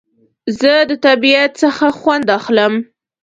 زه د طبیعت څخه خوند اخلم